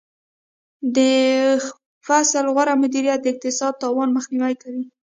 د فصل غوره مدیریت د اقتصادي تاوان مخنیوی کوي.